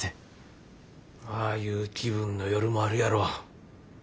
ああいう気分の夜もあるやろ。